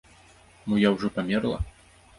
Мо я ўжо памерла?